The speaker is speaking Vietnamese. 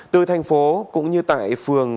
từ thành phố cũng như tại phường